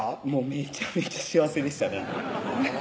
めちゃめちゃ幸せでしたね